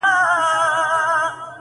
دښاغلی جهانی صاحب دغه شعر!!